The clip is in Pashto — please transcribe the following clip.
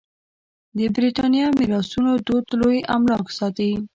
برېتانيه میراثونو دود لوی املاک ساتي.